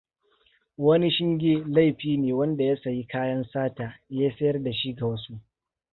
Wani shinge laifi ne wanda ya sayi kayan sata ya sayar dashi ga wasu.